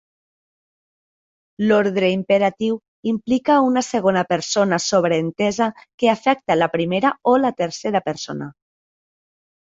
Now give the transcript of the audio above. L'ordre imperatiu implica una segona persona sobreentesa que afecta la primera o la tercera persona.